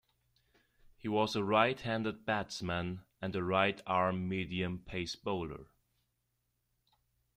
He was a right-handed batsman and a right-arm medium pace bowler.